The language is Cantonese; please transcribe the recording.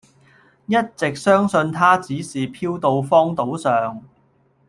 一直相信他只是飄到荒島上